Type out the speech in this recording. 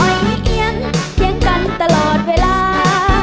อ้อยไม่เอียงเพียงกันตลอดเวลา